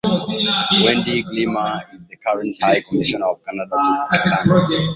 Wendy Gilmour is the current High Commissioner of Canada to Pakistan.